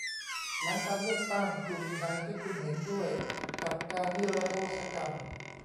หลังการเลือกตั้ง กลุ่มไหนที่คุณเห็นด้วยกับการนิรโทษกรรม